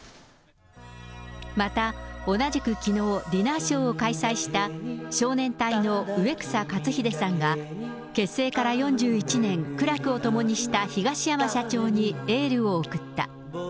また、同じくきのう、ディナーショーを開催した少年隊の植草克秀さんが、結成から４１年、苦楽を共にした東山社長にエールを送った。